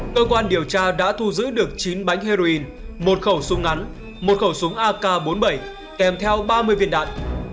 cơ quan điều tra đã thu giữ được chín bánh heroin một khẩu súng ngắn một khẩu súng ak bốn mươi bảy kèm theo ba mươi viên đạn